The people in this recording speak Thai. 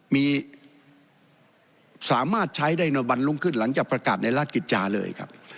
มีสามารถใช้ได้ในวันรุ่งขึ้นหลังจากประกาศในราชกิจจาเลยครับ